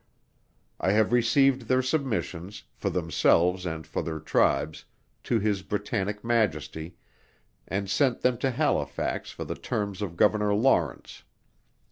I have received their submissions, for themselves and for their tribes, to His Britannic Majesty, and sent them to Halifax for the terms by Governor Lawrence.